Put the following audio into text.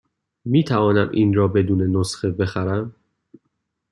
می توانم این را بدون نسخه بخرم؟